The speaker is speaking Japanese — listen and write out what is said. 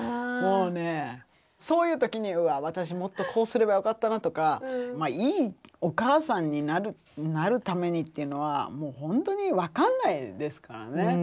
もうねそういう時に私もっとこうすればよかったなとかいいお母さんになるためにっていうのはもうほんとに分かんないですからね。